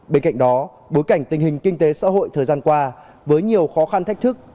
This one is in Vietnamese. bên cạnh đó bối cảnh tình hình kinh tế xã hội thời gian qua với nhiều khó khăn thách thức